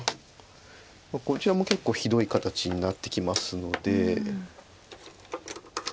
こちらも結構ひどい形になってきますので。